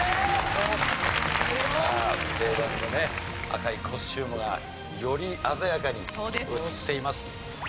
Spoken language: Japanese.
さあ定番のね赤いコスチュームがより鮮やかに映っています。